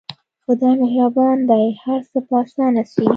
خداى مهربان دى هر څه به اسانه سي.